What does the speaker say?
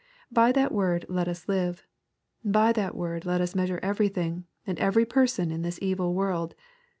By that word let us live. By that word let us measure everything, and every person in this evil world.